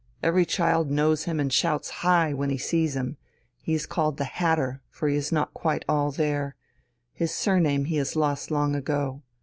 Every child knows him and shouts 'Hi!' when he sees him; he is called 'the Hatter,' for he is not quite all there; his surname he has lost long ago.